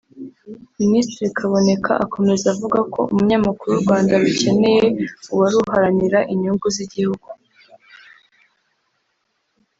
Minisitiri Kaboneka akomeza avuga ko umunyamakuru u Rwanda rukeneye ubu ari uharanira inyungu z’igihugu